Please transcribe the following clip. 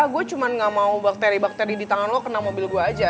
gue cuma gak mau bakteri bakteri di tangan lo kena mobil gue aja